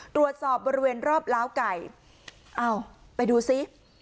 ตรวจสอบบริเวณรอบล้าวไก่เอ้าไปดูซิ